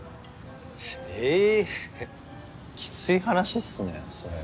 えぇ？ははっきつい話っすねそれ。